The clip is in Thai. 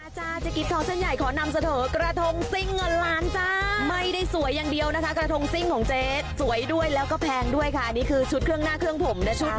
จริงก็ไปดูดิ